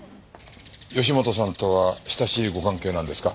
義本さんとは親しいご関係なんですか？